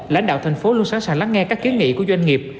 lãnh đạo thành phố luôn sẵn sàng lắng nghe các kiến nghị của doanh nghiệp